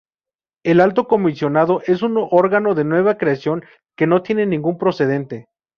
El Alto Comisionado es un órgano de nueva creación que no tiene ningún precedente.